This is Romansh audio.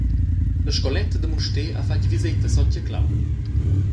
La scoletta da Mustér ha fatg viseta a Sontgaclau.